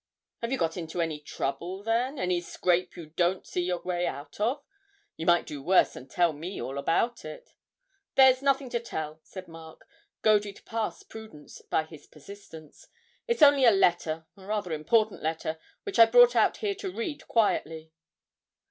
'Have you got into any trouble, then, any scrape you don't see your way out of? You might do worse than tell me all about it.' 'There's nothing to tell,' said Mark, goaded past prudence by this persistence; 'it's only a letter, a rather important letter, which I brought out here to read quietly.'